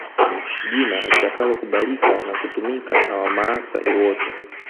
Jina litakalokubalika na kutumika na Wamaasai wote